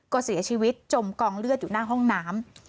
ก็เสียชีวิตจมกองเลือดอยู่หน้าห้องน้ำ